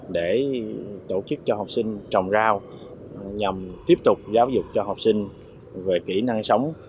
để tổ chức cho học sinh trồng rau nhằm tiếp tục giáo dục cho học sinh về kỹ năng sống